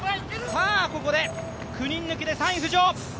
ここで９人抜きで３位浮上。